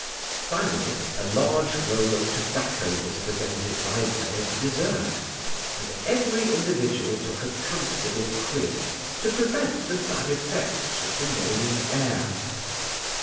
Finally, a large roll of tobacco was presented by way of desert, and every individual took a comfortable quid, to prevent the bad effects of the morning air.